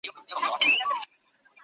证明了这一点。